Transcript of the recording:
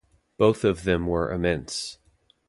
Both of them were immense.